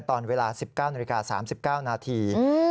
ตอนเวลา๑๙นาฬิกา๓๙นาที